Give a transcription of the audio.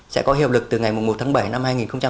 sẽ có hiệu lực từ ngày một tháng bảy năm hai nghìn hai mươi